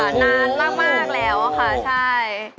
นานมากแล้วค่ะใช่